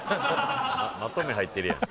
まとめ入ってるやん。